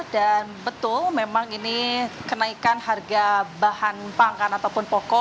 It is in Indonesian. dan betul memang ini kenaikan harga bahan pangkan ataupun pokok